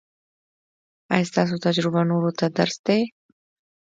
ایا ستاسو تجربه نورو ته درس دی؟